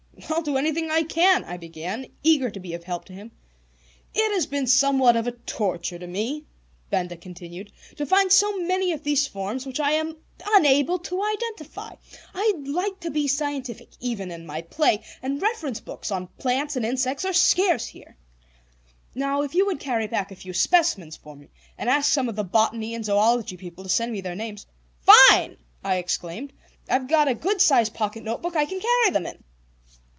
"I'll do anything I can," I began, eager to be of help to him. "It has been somewhat of a torture to me," Benda continued, "to find so many of these forms which I am unable to identify. I like to be scientific, even in my play, and reference books on plants and insects are scarce here. Now, if you would carry back a few specimens for me, and ask some of the botany and zoology people to send me their names " "Fine!" I exclaimed. "I've got a good sized pocket notebook I can carry them in."